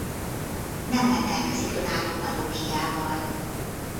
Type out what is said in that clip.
Nem rendelkezik önálló parókiával.